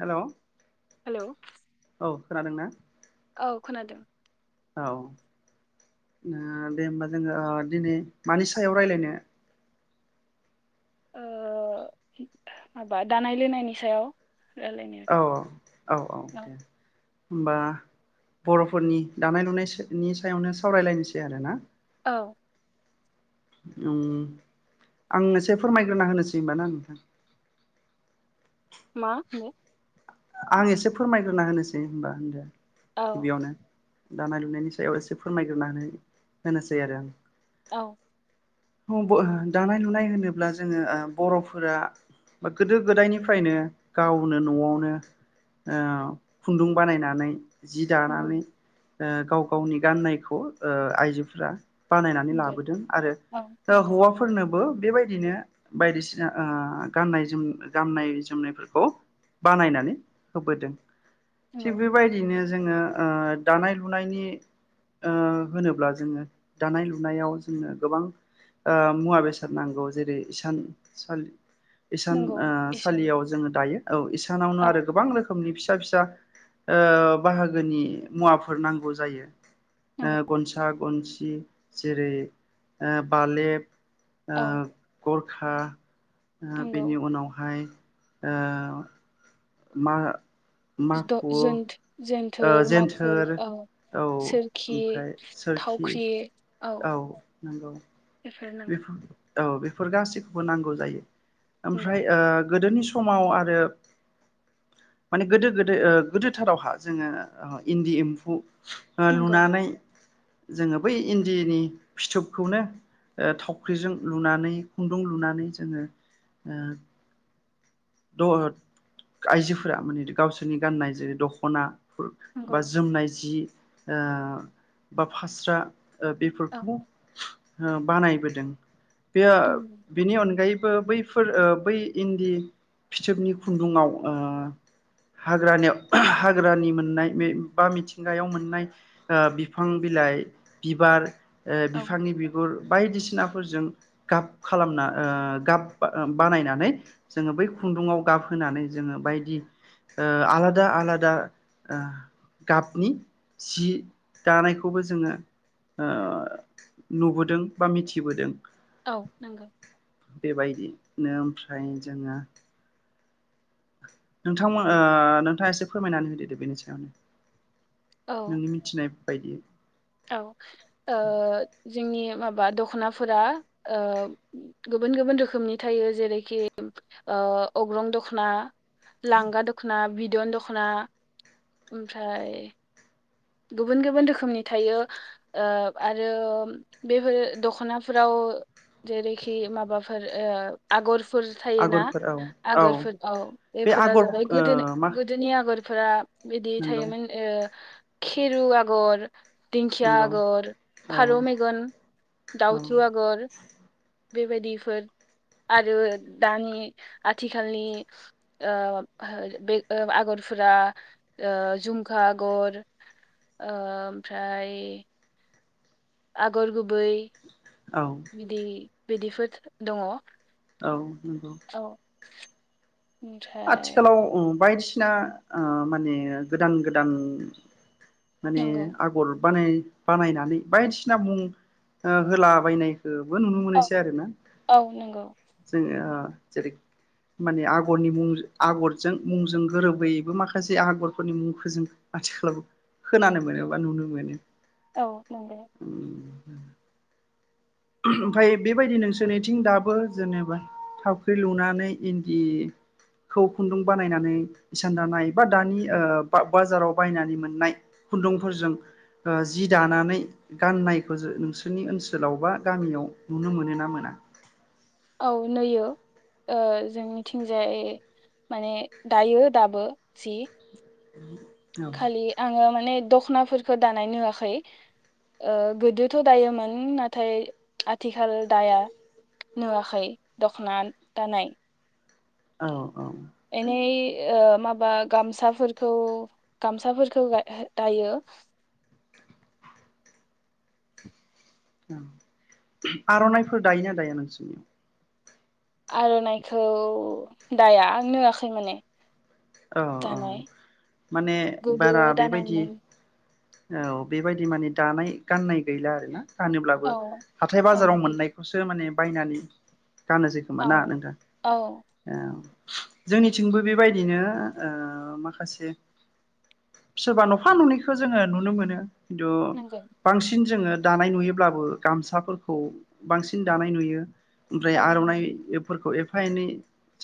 Hello. Hello. खोनादों ना? औ खोनादों। औ ओ दे होमबा जोङो दिनै मानि सायाव रायलायनो? ओ माबा दानाय लोंनायनि सायाव। रायलायनो औ औ औ औ दे। होमबा बर'फोरनि दानाय लुनायनि सायावनो सावरायलायनोसै आरो ना? औ उम आं एसे फोरमायग्रोना होनोसै होनबा ना नोंथां। मा होनो। आं एसे फोरमायग्रोना होनोसै होनबा होनदो। औ गिबियावनो दानाय लुनायनि सायाव एसे फोरमायग्रोना होनो होनोसै आरो आं। औ दानाय लुनाय होनोब्ला जोङो ओ बर'फोरा बा गोदो गोदायनिफ्रायनो गावनो न'आवनो ओ खुन्दुं बानायनानै जि नंगौ दानानै, ओ गाव गावनि गाननायखौ ओ आइजोफोरा बानायनानै नंगौ लाबोदों औ आरो नंगौ हौवाफोरनोबो बेबायदिनो बायदिसिना ओ गाननाय जोम गाननाय जोमनायफोरखौ बानायनानै होबोदों। थिग नंगौ बेबायदिनो जोङो ओ दानाय लुनायनि ओ होनोब्ला जोङो दानाय लुनायाव जोंनो गोबां ओ मुवा बेसाद नांगौ जेरै इसान सालि इसान नंगौ ओ इसान सालियाव जोङो दायो। औ इसा सानावनो औ आरो रोखोमनि फिसा फिसा ओ बाहागोनि मुवाफोर नांगौ जायो। ओ नंगौ गनसा गनसि दि जेरै ओ बालेब ओ औ गरखा ओ नंगौ बेनि उनावहाय ओ मा जिद' माखु जुन जों ओ जेनथोर औ सोरखि ओमफाय सोरखि थावख्रि औ नोंगौ। बेफोर नांगौ बेफो औ बेफोर गासैखौबो नांगौ जायो। नंगौ आमफ्राय ओ गोदोनि स समाव आरो माने गोदो गोदो ओ गोदोथारावहा जोङो ओ इन्दि एम्फु ओ नंगौ लुनानै जोङो बै इन्दिनि फिथोबखौनो ओ थावख्रिजों लुनानै खुन्दुं लुनानै जोङो ओ द आइजोफोरा माने गावसोरनि गाननाय जेरै दख'ना फोर नंगौ बा जोमनाय जि ओ बा फास्रा ओ औ बेफोरखौ हो बानायबोदों। बेयो नंगौ बेनि अनगायै बो बैफोर ओ बै इन्दि फिथोबनि खुन्दुङाव ओ हाग्रानियाव हाग्रानि मोननाय बे बा मिथिंगायाव मोननाय ओ बिफां बिलाइ बिबार ओ औ बिफांनि बिगुर बायदिसिनाफोरजों गाब खालामना ओ गाब बा ओ बानायनानै जोङो बै खुन्दुङाव गाब होनानै जोङो बायदि ओ आलादा आलादा ओ गाबनि सि दानायखौबो जोङो ओ नुबोदों बा मिथिबोदों। औ नोंगौ। बेबायदिनो ओमफ्राय जोङो नोंथांमोन ओ नोंथाङा एसे फोरमायनानै होदोदे बेनि सायावनो। औ नों मिथिनाय बायदि। औ ओ जोंनि माबा दख'नाफोरा ओ गुबुन गुबुन रोखोमनि थायो जेरैखि ओ अग्रं दख'ना। लांगा दुखना बि दन दख'ना ओमफ्राय गुबुन गुबुन रोखोमनि थायो ओ आरो बेफोर दख'नाफोराव जेरैखि माबाफोर ओ आगर फोर थायोना आगरफोर औ आगरफोर औ बे बेफोरा आगर जाबाय गोदो ओ मा गोदोनि आगर फोरा बिदि नंगौ थायोमोन ओ खिरु आगर। दिंखिया नंगौ आगर औ फारौ मेगन औ दाउथु आगर। बेबायदिफोर आरो दानि आथिखालनि ओ बे ओ आगरफोरा ओ झुमखा आगर ओ ओमफ्राय आगर गुबै। औ बिदि। बिदिफोर दङ। औ। नोंगौ। ओमफ्राय आथिखालाव ओ बायदिसि सिना ओ माने गोदान-गोदान माने नंगौ आगर बानाय बानायनानै बायदिसिना मुं ओ होलाबायनाय बो नुनो औ मोनोसै आरोना औ नंगौ जोङो जेरै माने आगरनि मुं आगरजों मुंजों गोरोबबोयैबो माखासे आगरफोरनि मुंखौ जों आथिखालाव खोनानो मोनो बा नुनो मोनो। औ नंगौ। [unintelligible] ओमफ्राय बेबायदि नोंसोरनिथिं दाबो जेनेबा थावख्रि लुनानै इन्दिखौ खुन्दुं बानायनानै इसान दानाय बा दानि ओ बाजाराव बायनानै मोननाय खुन्दुंफोरजों ओ जि दानानै गाननायखौ ज नोंसोरनि ओनसोलाव बा। गामियाव नुनो मोनो ना मोना? औ नैयो जों मिथिंजाय माने दायो दाबो जि। [unintelligible] खालि आङो मा माने दख'नाफोरखौ दानाय नुवाखै ओ गोदोथ' दायोमोन नाथाय आथिखाल दाया नुवाखै दख'ना दानाय। औ औ। एनै ओ माबा गामसाफोरखौ गामसाफोरखौ दायो। औ आर'नाइफोर दायोना दाया नोंसोरनियाव? आर'नाइखौ दाया आं नुवाखै माने। औ औ दानाय माने गोदो बारा बेबायदि दानायमोन औ बेबायदि माने दानाय गाननाय गैला आरो ना? फानोब्लाबो औ हाथाय औ बाजाराव मोननायखौसो माने बायनानै गानोसै खोमा औ ना नोंथां औ औ। जोंनिथिंबो बेबायदिनो ओ माखासे सोरबा न'फा न'नैखो जोङो नुनो मोनो। खिन्थु नंगौ बांसिन जोङो दानाय नुयोब्लाबो गामसाफोरखौ बांसिन दानाय नुयो। ओमफ्राय औ आर'नाइ नंगौ एफोरखौ एफ एफा एनै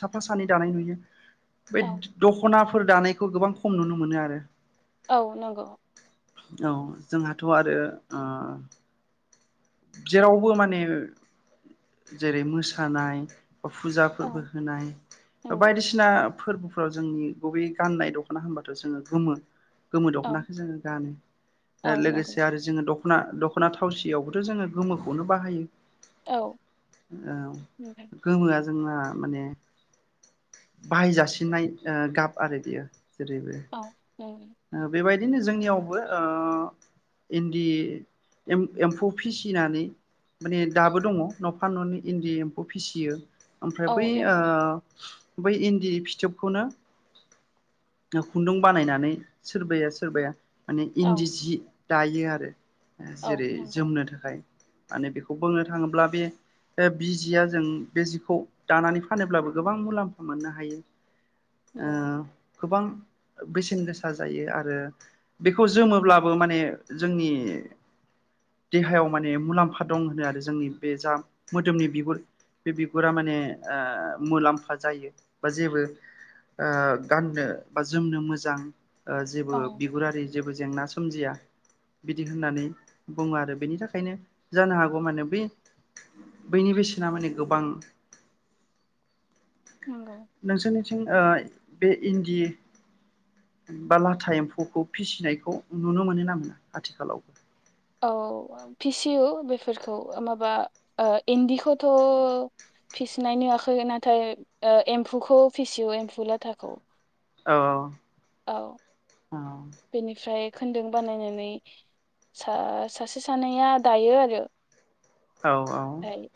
साफा सानै दानाय नुयो। औ [unintelligible] दख'नाफोर दानायखौ गोबां खम नुनो मोनो आरो। औ नंगौ। औ जोंहाथ' आरो ओ जेरावबो माने जेरै मोसानाय फुजा औ फोरबो होनाय बा नंगौ बायदिसिना फोरबो फोराव जोंनि गुबै गाननाय दख'ना होनबाथ' जोङो गोमो गोमो औ दख'नाखौ जोङो गानो औ नंगौ लोगोसे आरो जोङो दख दख'ना दख'ना थावसियावबो थ' जोङो गोमोखौनो बाहायो। औ औ नंगौ गोमोआ जोंना माने बाहायजासिननाय ओ गाब आरो बियो। अ ओ बेबायदिनो जोंनियावबो ओ इन्दि एम-एम्फौ फिसिनानै माने दाबो दङ न'फा न'नै इन्दि एम्फौ फिसियो। ओमफ्राय औ बै ओ नंगौ बै इन्दि फिथोबखौनो खुन्दुं बानायनानै सोरबाया सोरबाया माने औ इन्दि जि दायो आरो। औ जेरै नंगौ जोमनो थाखाय माने बेखौ बुंनो थाङोब्ला बे ओ बिजिया जों बे जिखौ दानानै फानोब्लाबो गोबां मुलाम्फा मोननो हायो। ओ नंगौ। गोबां बेसेन गोसा। सा जायो आरो बेखौ जोमोब्लाबो माने जोंनि देहायाव माने मुलाम्फा दं होनो आरो जोंनि बे जा मोदोमनि बिगुर बे बिगुरा माने ओ मुलाम्फा जायो बा जेबो ओ गाननो बा जोमनो मोजां। ओ जेबो औ बिगुरारि जेबो जेंना सोमजिया बिदि होननानै बुङो आरो बेनि थाखायनो जानो हागौ माने बे बैनि बेसेना माने गोबां नंगौ नोंसोरनिथिं ओ बे इन्डि बा लाथा एम्फौखौ फिसिनायखौ नुनो मोनो ना मोना आथिखालावबो औ फिसियो बेफोरखौ ओ माबा ओ इन्दिखौथ फिसिनाय निवाखै नाथाय एम्फौखौ फिसियो एम्फौ लाथाखौ औ अ बेनिफ्राय खोन्दों बानायनानै सा सासे सानैया दायो आरो औ औ ओमफ्राय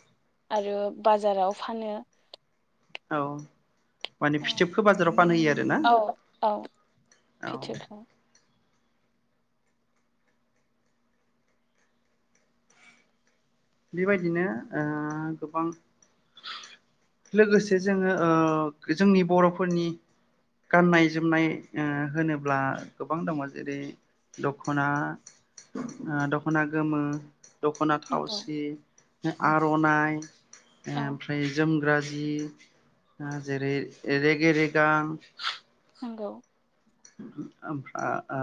आरो बाजाराव फानो औ माने औ फिथोबखो बाजाराव फानहैयो आरोना औ फिथोरखो बेबायदिनो ओ गोबां लोगोसे जोङो ओ जोंनि बर'फोरनि गाननाय जोमनाय ओ होनोब्ला गोबां दङ जेरै दख'ना ओ दख'ना गोमो दख'नाथाव नंगौ [unintelligible] आरनाय औ ओमफ्राय जोमग्रा जि ओ जेरै रेगे रेगां नोंगौ ओम आ ओ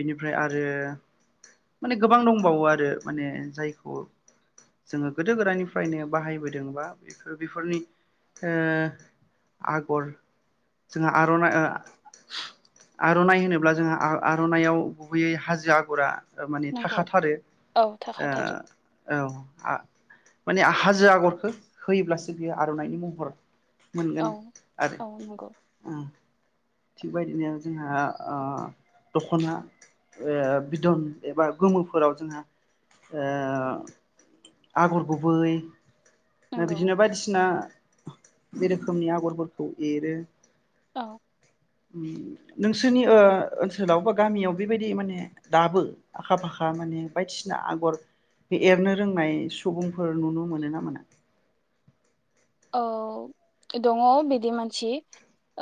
बिनिफ्राय आरो माने गोबां दंबावो आरो माने जायखौ जोङो गोदो गोदायनिफ्रायनो बाहायबोदों बा बेफोर बेफोरनि ओ आगर जोंहा आरनाय ओ आर'नाय होनोब्ला जोंहा आ-आर'नायाव गुबैयै हाजो आगरा ओ माने नंगौ थाखाथारो औ ओ थाखाथारो औ आ माने हाजो आगरखो होयोब्लासो बियो आर'नायनि महर मोनगोन औ आरो औ नंगौ अम थिगबायदिनो जोंहा ओ दख'ना ओ बिदन एबा गोमोफोराव जोंहा ओ आगर गुबै ओ नंगौ बिदिनो बायदिसिना बे रोखोमनि आगरफोरखौ एरो औ नोंसोरनि ओ ओनसोलाव बा गामियाव बेबायदि माने दाबो आखा फाखा माने बायदिसिना आगर बे एरनो रोंनाय सुबुंफोर नुनो मोनो ना मोना औ दङ बिदि मानसि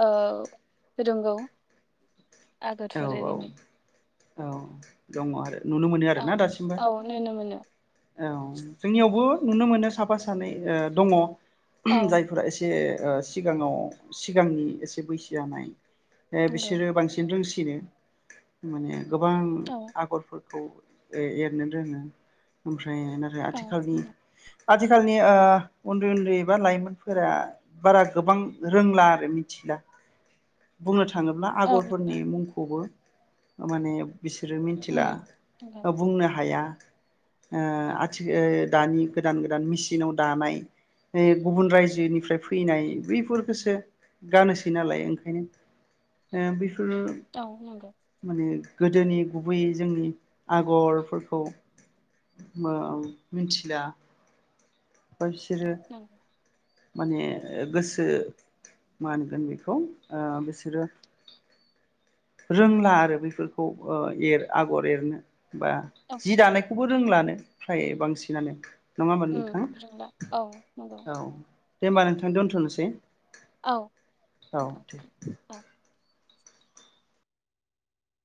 ओ रोंगौ औ आगरफोरएरनो औ दङ आरो नुनो मोनो आरो औ ना दासिमबो औ नुनो मोनो औ जोंनियावबो नुनो मोनो साफा सानै ओ दङ। औ जायफोरा एसे से ओ सिगाङाव सिगांनि एसे बैसो जानाय ए नंगौ बिसोरो बांसिन रोंसि सिनो माने गोबां औ आग'रफोर खौ ओ एरनो रोङो ओमफ्राय ओमफाय नाथाय औ आथिखालनि नंगौ आथिखालनि ओ उन्दै उन्दै बा लाइमोनफोरा बारा गोबां रोंला आरो मिथिला बुंनो थाङोब्ला औ आग'रफोरनि मुंखौ। खौबो ओ माने बिसोरो मिथिला उम नंगौ बा बुंनो हाया। ओ आथिखो दानि गोदान गोदान मिचिनाव दानाय ओ गुबुन रायजोनिफ्राय फैनाय बैफोरखौसो गानोसै नालाय ओंखायनो ओ बैफोर औ नंगौ। माने गोदोनि गुबैयै जोंनि आग'रफोरखौ ओ मिथिला। नंगौ [unintelligible] माने गोसो मा होनगोन बेखौ ओ बेसोरो रोंला आरो बैफोरखौ ओ एर आगर एरनो। बा औ जि दानायखौबो रोंलानो फ्राय बांसिनानो। नङा होमबा नोंथां? उम रोंला औ नंगौ औ। दे होमबा नोंथां दोनथनोसै। औ औ दे [unintelligible] औ।